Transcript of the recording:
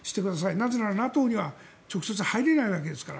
なぜならＮＡＴＯには直接入れないわけですから。